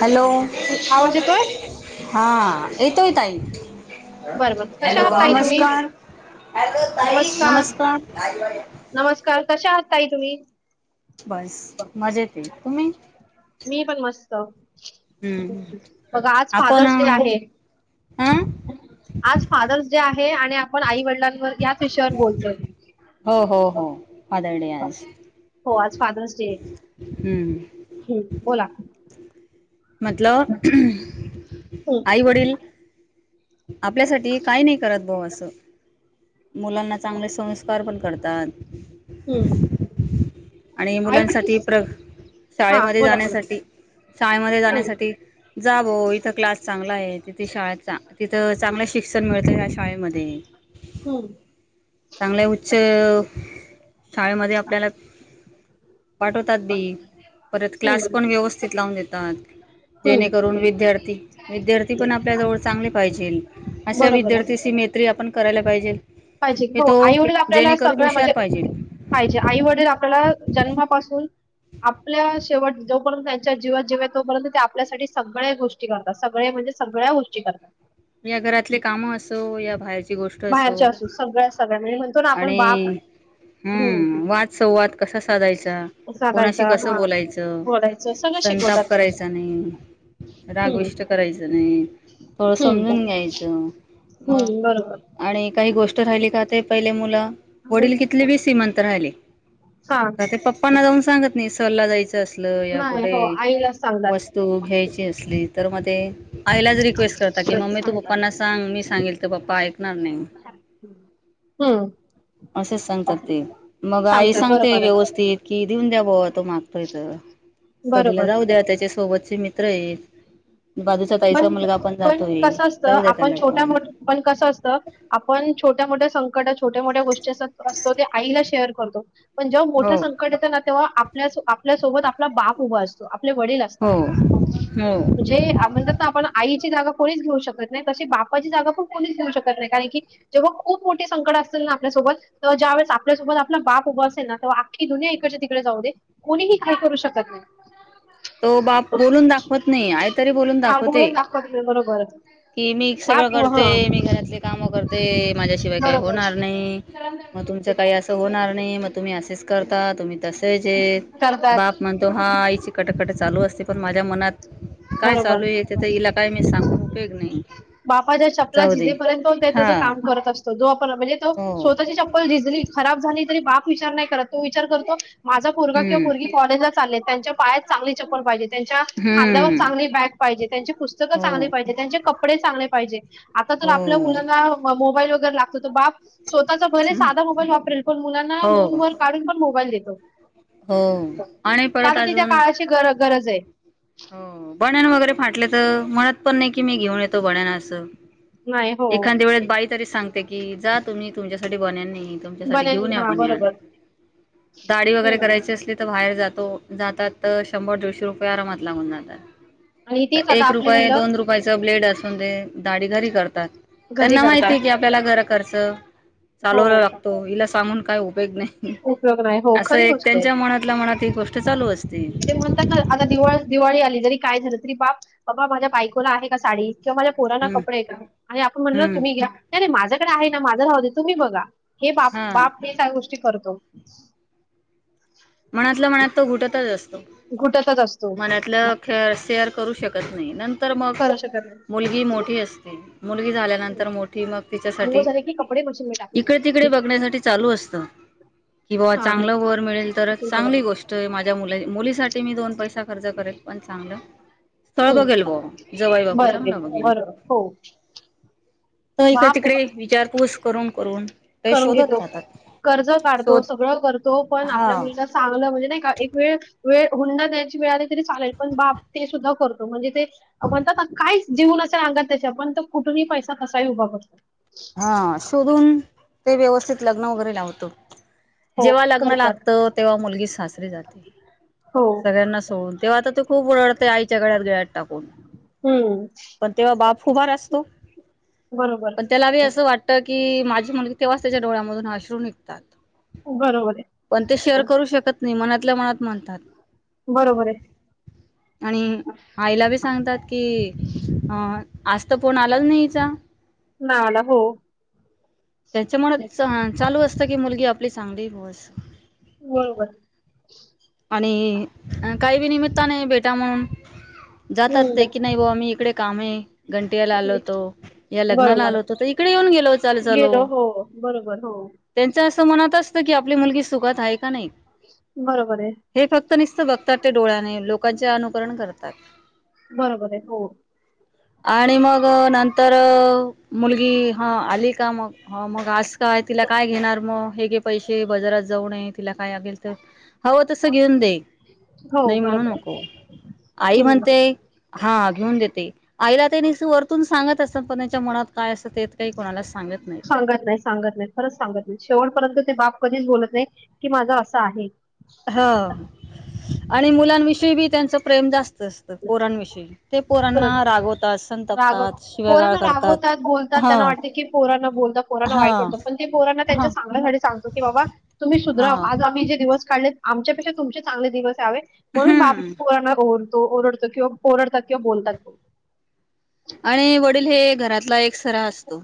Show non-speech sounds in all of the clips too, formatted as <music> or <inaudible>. Hello आवाज येतोय. हा येतोय ताई. बरं बरं कशा आहात ताई तुम्ही? नमस्कार नमस्कार नमस्कार कशा आहात ताई तुम्ही बस मजेत तुम्ही हो हम्म बघ आज फादर्स डे आहे आह आज फादर्स डे आहे आणि आपण आई वडिलांवर याच विषयावर बोलतोय हो हो हो फादरडे आज हो हम्म ह बोला मतलब हम्म आई वडील आपल्यासाठी काही नाही करत भाऊ असं तो मुलांना चांगले संस्कार पण करतात दान हम्म. आणि आईवडील मुलांसाठी प्र हा शाळेमध्ये बोला बोला. जाण्यासाठी शाळेमध्ये हम्म जाण्यासाठी जाव इथं क्लास चांगला आहे तिथे शाळा तिथं चांगलं शिक्षण मिळतं त्या शाळेमध्ये. हम्म चांगल्या उच्च शाळेमध्ये आपल्याला पाठवतात बी परत क्लास हम्म पण व्यवस्थित लावून देतात. हम्म जेणेकरून विद्यार्थी विद्यार्थी पण आपल्या जवळचा,. चांगली पाहिजेल. अशा बरोबर आहे. विद्यार्थीची मैत्री आपण करायला. पाहिजेल. पाहिजे की हो तो आई वडील आपल्याला जेणेकरून सगळं हुशार म्हणजे, पाहिजे पाहिजे आई वडील आपल्याला जन्मापासून. आपल्या शेवट जोपर्यंत त्यांच्या जीवात जेव तोपर्यंत ते आपल्यासाठी सगळ्या गोष्टी करतात सगळे म्हणजे सगळ्या गोष्टी करतात. या घरातले काम असो या, बाहेरची गोष्ट असो. बाहेरच्या <unintelligible> ना आपण बाप आणि हम्म वाद संवाद कसा साधायचा कोणाशी साधायचा कस हा बोलायचं बोलायचं सगळं संताप शिकवतात त्यांनी करायचा नाही, हम्म रागविष्ट करायचं नाही, थोडं हम्म समजून घ्यायचं, मग हम्म बरोबर आणि काही गोष्टी. <unintelligible> पहिले मुलं. वडील <unintelligible> हा तर ते पप्पांना जाऊन सांगत नाहीस. चल्ला जायचं. असल या नाही कुठे हो आईला सांगतात वस्तू घ्यायची असली तर मग ते आईलाच रिक्वेस्ट करता की मम्मी तू पप्पांना सांग मी सांगेल तर पप्पा ऐकणार नाही. <unintelligible> हम्म. असेच सांगतात ते मग आई सांगतात सांगते बरोबर आहे व्यवस्थित कि देऊन द्या भावा तो मागतोय तर. सलीला जाऊ बरोबर द्या त्याच्या सोबत. मित्र आहेत. बाजूचा <inaudible> ताईचा मुलगा पण छोट्या जातोय जाऊ द्या त्याला पण मोठ्या गोष्टी. असतो ते आईला शेअर. करतो. पण जेव्हा मोठं हो संकट येतं ना तेव्हा आपल्या आपल्यासोबत आपला बाप उभा असतो. आपले वडील असतात हो हो <unintelligible> आपण आईची जाग. कोणीच घेऊ शकत नाही तशी बापाची जागा पण कोणीच घेऊ शकत नाही कारण, की जेव्हा खूप मोठे संकट असेल ना आपल्यासोबत तेव्हा, ज्या वेळेस आपल्यासोबत आपला बाप उभा असेल ना तेव्हा आखी दुनिया इकडच्या तिकडे जाऊ दे कोणीही काही करू शकत नाही. तो बाप बोलून दाखवत नाही आईतरी बोलून दाख हा होते बोलून दाखवा तुम्ही बरोबर कि मी सगळं बाप करते हा मी घरातले काम करते माझ्याशिवाय काही होणार बरोबर नाही मग तुमच काही असं होणार नाही मग तुम्ही असेच करता तुम्ही तसेच हे करतात. बाप म्हणतो हा आईची कटकट चालू असते पण माझ्या मनात काय बरोबर चालू आहे ते तर हिला काय मी सांगून उपयोग नाही बापाच्या चपला जाऊ दे. झीजेपर्यंत तो हा तेजतेज काम करत असतो जो आपण म्हणजे हो स्वतःची चप्पल झिजली खराब झाली तरी बाप विचार नाही करत तो विचार करतो माझा पोरगा किंवा हम्म पोरगी कॉलेजला चालेत त्यांच्या पाया चांगली चप्पल पाहिजे. त्यांच्या खांद्यावर हम्म चांगली बॅग पाहिजे त्यांची पुस्तकं हो चांगली पाहिजे त्यांचे कपडे चांगले पाहिजे. आता तर हो आपल्या मुलांना मोबाईल वगैरे लाग आसतो तो बाप स्वतःचा भले साधा मोबाईल वापरेल पण मुलांना हो लोन वर काढून पण मोबाईल देत <unintelligible> हो आणि परत आजुन काळाची गर गरज हे हो बनेन वगैरे फाटले त म्हणत पण नाही की मी घेऊन येतो बनेन आसं नाही हो. एखाद्या वेळेस बाई तरी सांग ते की जा तुम्ही तुमच्या साठी बनेन नाही तुमच्यासाठी बनेल घेऊन हा आपण या बरोबर. दाडी वगैरे हम्म करायची असली तर बाहेर जात तो जातात तर शंभर दीडशे रुपये आरामात लागून जातात. आणि तीच आता एक आपली रुपये मुलं दोन रुपयाच ब्लेड अस <unintelligible> दाडी घारी करत घरी त्यांना करतात. माहिती की आपल्याला घरा खर्चं हो चालवला लागतो हिला सांगून काय उपेयग नाही उपयोग नाही हो आसं खरी एक गोष्ट आहे. त्यांच्या मनातला मनात एक गोष्ट त चालूच आस ते म्हणतात, ना आता दिवाळी दिवाळी आली जरी काय झालं तरी बाप बाबा माझ्या बायकोला आहे का साडी? किंवा माझ्या पोराणा हम्म कपडे आहेत का आणि आपण म्हणल हम्म. तुम्ही घ्या नाही नाही माझ माझ्याकडे आहे ना माझं राहुदे तुम्ही बघा हे बाप हा बाप हे गोष्टी तो मनातलं मनात तो घुटतच असतो. घुटतच असतो. मनातलं खे सेअर करू शकत नाही नंतर मग करू शकत नाही मुलगी मोठी असते. मुलगी झाल्यानंतर मोठी मग अंघोळ तिच्यासाठी झाले की कपडे मशीन मध्ये टाकून इकडे तिकडे बघण्यासाठी चालू असतं की बाबा चांगलं हा वर मिळेल तरच चांगली गोष्ट आहे माझ्या मुला मुलीसाठी मी दोन पैसा खर्च करेल पण चांगलं स्थळ बघेल हम्म बुवा जवई बापू चांगला बरोबर बघेल, बरोबर हो तर इका बाप तिकडे विचारपूस करून करून काही करून घेतो. शोधत कर्ज राहतात काढतो शोध सगळं करतो पण हा आपल्या मुलीला चांगलं म्हणजे नाही का एक वेळ वेळ हुंडा दण्याची वेळा तरी चालेल पण बाप ते सुद्धा करतो म्हणजे ते म्हणतात काहीच जीव नसेल त्याच्या अंगात पण कुठूनही पैसा कसाही उभा करतो. हा शोधून ते व्यवस्थित लग्न वगैरे लावतो हो जेव्हा लग्न करतात. लागतं तेव्हा, मुलगी सासरीे जाते. हो सगळ्यांना सोडून तेव्हा आता तू खूप ओडते आईच्या गळ्यात गळा टाकून, हम्म पण तेव्हा बाप फुभार असतो. बरोबर पण त्याला बी असं वाटत की माझी मुलगी तेव्हाच त्याच्या डोळ्यामधून अश्रू निघतात. बरोबर आहे. पण ते शेअर करू शकत नाही मनात मनातल्या म्हणतात बरोबर आहे. आणि आईला बी सांगतात की, <inaudible> ह आज तर फोन आलाच नाही हीचा नाय आला हो. त्याच्यामुळे चालू <inaudible> अस की <inaudible> मुलगी आपली <inaudible> चांगली बस बरोबर <inaudible> आणि काही बी निमित्ताने भेट त्यामूळ <unintelligible> जातात हम्म ते की नाही बाबा ही इकडे काम आहे घंटियाला आलो होतो या लग्नाला बरोबर आलो होतो तर इकडे येऊन गेलो चाल चालू गेलो हो बरोबर हो त्यांच असं मनात असत की आप आपली मुलगी सुखात आहे का नाही? बरोबर आहे हे फक्त नुसत बघतात ते डोळ्याने लोकांचे अनुकरण करतात. बरोबर आहे हो आणि मग नंत तर... मुलगी हा आली का मग मग अस का? तिला काय घेणार? मग हे पैसे बाजारात जाऊ नये तिला काय? लागेल तर तस घेऊन दे हो नाही म्हणू बरोबर आहे. नको आई हम्म म्हणते हा.. घेऊन देते. आईला तेन वरतून सांगत असत तर कोणाच्या मनात काय असतं ते काही कोणाला सांगत नाही ते सांगत नाहीत, सांगत नाहीत, खरच सांगत नाहीत शेवटपर्यंत ते बाप कधीच बोलत नाही की माझा असं आहे. हा आणि मुलांविषयी बी त्यांच प्रेम जास्त असतं पोरांविषयी ते पोरांना खरचं रागवतात राग संतपतात शिव्यागाळ पोरांना करतात रागवतात बोलतात, हा त्यांना वाटते की पोरांना बोलत पोरांना हा वाईट वाटतं. पण ते पोरांना हा त्यांच्या चांगल्यासाठी सांगतो. की बाबा तुम्ही हा सुधरा आज आम्ही जे दिवस काढले. आमच्यापेक्षा तुमचे चांगले दिवस यावेेत. म्हणून बाप हम्म पोरांना ओरड तो ओरडतो किंवा ओरडतात किंवा बोलतात. आणि वडील हे घरातला एक सरा असतो.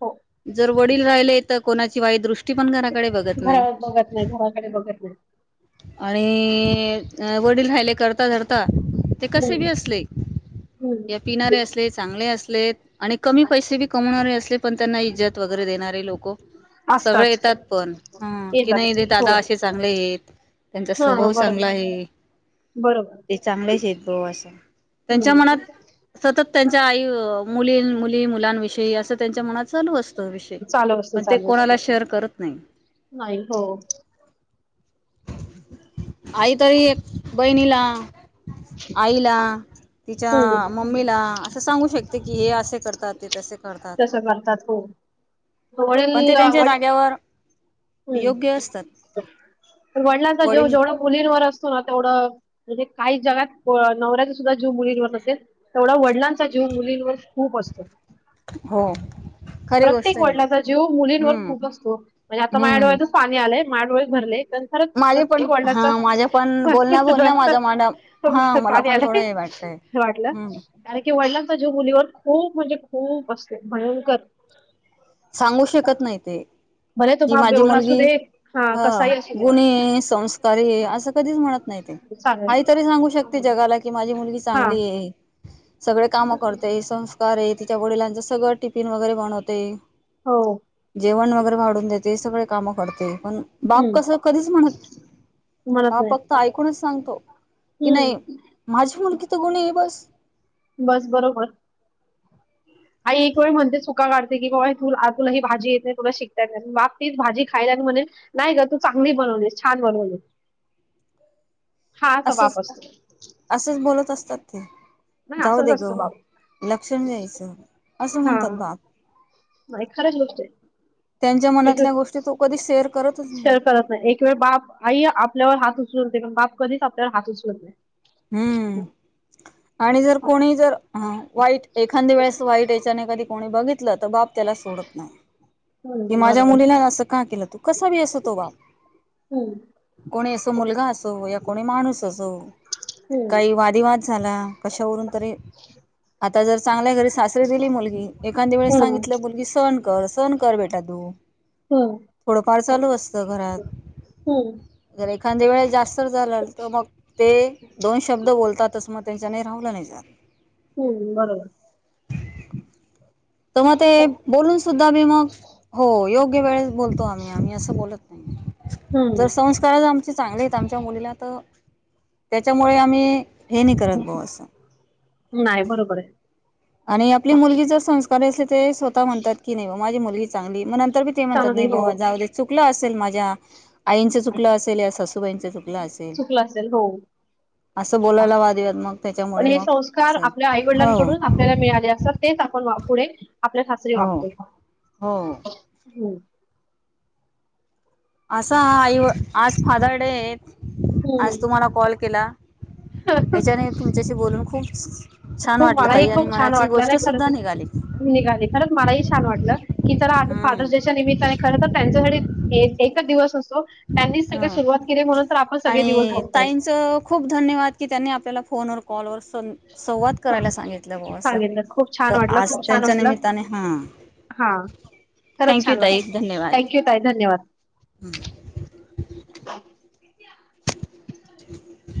हो जर वडील राहिले तर कोणा शिवाय दृष्टी पण घराकडे बघत नाही आणि अ वडील राहिले करता धरता ते कसे बी हम्म असले या पिणारे असले चांगले असलेत आणि कमी पैसे बी कमवणारे असले पण इ्जत वगैरे देणारे लोक सगळे असतात येतात पण की येतात नाही ते दादा असे चांगले आहेत त्यांचा हा स्वभाव बरोबर चांगला आहे बरोबर ते चांगलेच आहेत भाऊ अस त्यांच्या हम्म मनात सतत त्यांच्या आई मुली मुली मुलांविषयी असं त्यांच्या मनात चालू असत चालू असत चालू असते करत नाही नाही हो आई तरी बहिणीला आईला तिच्या हम्म मम्मीला असं सांगू शकते कि हे असे करतात ते तसे करतात तसे बनतात हो पण वडील ते त्यांच्या जाग्यावर योग्य असतात वडिलांचा जीव वडील जेवढ मुलींवर असतो ना तेवढं म्हणजे काही जगात नवऱ्याच्या सुद्धा जीव मुलींवर नसेल तेवढा वडिलांचा जीव मुलींवर खूप असतो हो खरी प्रत्येक गोष्ट आहे वडिलाचा जीव मुलींवर हम्म खूप असतो म्हणजे आता माझ्या हम्म डोळ्यात पाणी आलाय माझ्या डोळ्यात भरले खरच माझे प्रत्येक पण हा वडिलांचा माझ्या पण बोलण्या बोलण्या माझ्या मांडा हा मला पाणी पण आलं थोडं हे वाटतंय डोळ्यात वाटलं हम्म कारण की वडिलांचा जीव मुलीवर खूप म्हणजे खूप असत भयंकर सांगू शकत नाही ते भले तो कि बाप माझी बेवडा असू मुलगी दे हा अह कसाही असू दे गुणी संस्कारी आहे असं कधीच म्हणत नाही ते चालेल काही तरी सांगू शकते जगाला कि माझी मुलगी हा चांगली आहे सगळे काम करतय स कर आहे तिच्या वडिलांचं सगळं टिफिन वगैरे बनवते हो जेवण वगैरे वाढून देते हे सगळं काम करते पण बाप कस हम्म कधीच म्हणत म्हणत बाप नाही फक्त ऐकूनच सांगतो की नाही हम्म माझी मुलगी तर गुणी आहे बस बस बरोबर आई एक वेळ म्हणते चुका काढते कि बाबा त तुला ही भाजी येते तुला शिकता बाप तीच भाजी खायला आणि म्हणेल नाही ग तू चांगली बनवलीस छान बनवले असच असंच बोलत असतात ते नाही जाऊ असंच दे ग असतो बाप लक्ष नाही द्यायचं असं हा म्हणतात बाप नाही खरंच गोष्ट त्यांच्या आहे मनातल्या एक गोष्टी तो कधी शेअर करतच नाही शेअर करत नाही एक वेळ बाप आई आपल्यावर हात ते पण बाप कधीच आपल्याला हात उचलत नाही हम्म आणि जर कोणी जर वाईट एखाद्या वेळेस वाईट याच्याने कधी कोणी बघितलं तर बाप त्याला सोडत नाही कि हम्म माझ्या बरोबर मुलीला असं का केलं तू कसा बी असो तो बाप हम्म कोणी असो मुलगा असो या कोणी माणूस असो हम्म काही वादिवाद झाला कशावरून तरी आता जर चांगल्या घरी सासरी दिली मुलगी एखादी्या वेळेस हम्म सांगितलं मुलगी सण कर सहन कर बेटा तू हम्म थोडंफार चालू असत घरात हम्म जर एखाद्या वेळे जास्त झालाल तर मग ते दोन शब्द बोलतातच म लज नाही राहला नाही जात हम्म बरोबर तर मग ते बोलून सुद्धा मी मग हो योग्य वेळेस बोलतो आम्ही आम्ही असं बोलत नाही जर हम्म संस्कारच आमचे चांगले आहेतेत आमच्या मुलीला तो त्याच्यामुळे आम्ही हे नाही करत भाऊ असं नाही बरोबर आहे आणि आपली मुलगी जर संस्कार असली ते स्वतः म्हणतात की नाही मग माझी मुलगी चांली तरी ते म्हणतात नाही चांगली ब हो जाऊ दे चुकलं असेल माझ्या आईंच चुकलं असेल या सासूबाईंच चुकलं असेल चुकलं असेल हो असं बोलायला वादिवाद मग पण त्याच्यामुळे हे मग संस्कार असं आपल्या हो आईवडिलांकडून आपल्याला मिळाले असतात तेच आपण पुढे आपल्या खासरी हो वागतो का हो असा आई आज फादर डे आहेत हम्म आज तुम्हाला कॉल केला याच्याने तुमच्याशी बोलून खूप ह <unintelligible> खूप मलाही खूप छान वाटलं नाही निघाली खरं निघाली खरंच मलाही छान वाटलं की जरा आ हम्म फादर्स डेच्या निमित्ताने खर तर त्यांच्यासाठी एक एक दिवस असो ह दिवस आणि बघतोय ताईंच खूप धन्यवाद की त्यांनी आपल्याला फोनवर कॉलवर संवाद करायला सांगितलं ग असं सांगितलं खूप छान तर वाटलं आज खूप छान त्यांच्या वाटलं निमित्ताने हा हा खरंच थँक्यू छान ताई वाटलं धन्यवाद थँक्यू ताई धन्यवाद हम ह <inaudible>